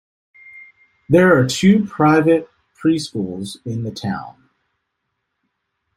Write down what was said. There are two private pre-schools in the town.